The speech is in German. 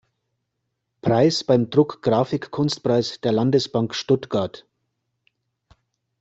Preis beim Druckgraphik-Kunstpreis der Landesbank Stuttgart.